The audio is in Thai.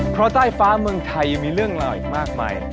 เพราะใต้ฟ้าเมืองไทยยังมีเรื่องราวอีกมากมาย